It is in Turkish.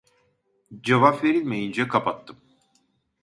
Cevap verilmeyince kapattım